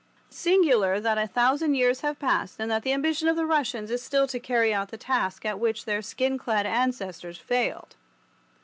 Singular that a thousand years have passed and that the ambition of the Russians is still to carry out the task at which their skin clad ancestors failed.